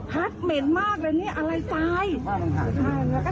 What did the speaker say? ผัดเหม็นมากเลยเนี้ยอะไรตายแล้วก็ถามว่ายายเป็นไง